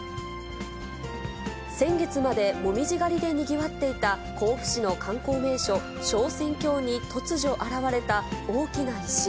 先月までもみじ狩りでにぎわっていた甲府市の観光名所、昇仙峡に突如現れた大きな石。